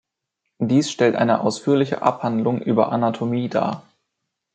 Dies stellt eine ausführliche Abhandlung über Anatomie dar.